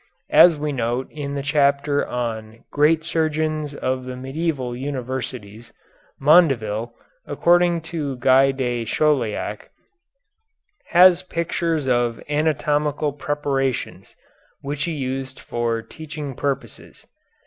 As we note in the chapter on "Great Surgeons of the Medieval Universities," Mondeville, according to Guy de Chauliac, had pictures of anatomical preparations which he used for teaching purposes.